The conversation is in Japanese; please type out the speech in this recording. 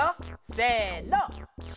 せの。